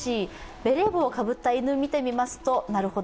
ベレー帽をかぶった犬を見てみますと、なるほど。